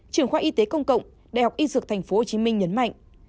trưởng khoa y tế công cộng đại học y dược tp hcm nhấn mạnh